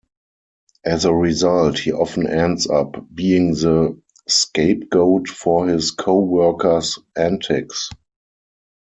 As a result, he often ends up being the scapegoat for his coworkers' antics.